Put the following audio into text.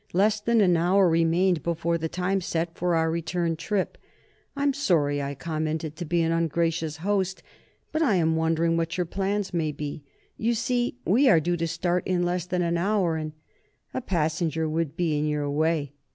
Less than an hour remained before the time set for our return trip. "I'm sorry," I commented, "to be an ungracious host, but I am wondering what your plans may be? You see, we are due to start in less than an hour, and " "A passenger would be in your way?"